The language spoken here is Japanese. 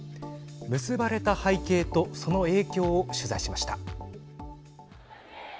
結ばれた背景とその影響を取材しました。